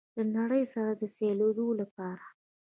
له نړۍ سره د سیالېدو لپاره